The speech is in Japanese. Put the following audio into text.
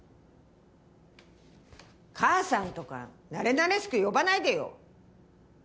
母さんとかなれなれしく呼ばないでよ。